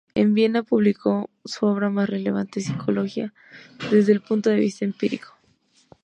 En Viena publicó su obra más relevante: "Psicología desde el punto de vista empírico".